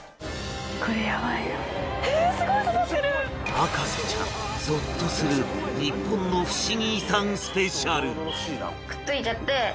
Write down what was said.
『博士ちゃん』ゾッとする日本のふしぎ遺産スペシャル